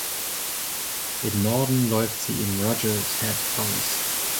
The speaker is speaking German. Im Norden läuft sie im Rogers Head aus.